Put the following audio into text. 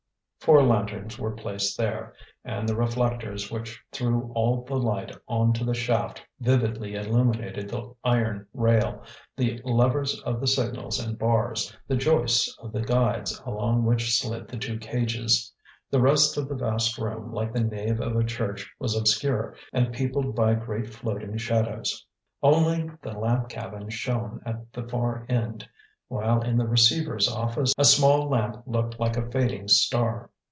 Four lanterns were placed there, and the reflectors which threw all the light on to the shaft vividly illuminated the iron rail, the levers of the signals and bars, the joists of the guides along which slid the two cages. The rest of the vast room, like the nave of a church, was obscure, and peopled by great floating shadows. Only the lamp cabin shone at the far end, while in the receiver's office a small lamp looked like a fading star.